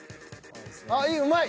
あっいいうまい。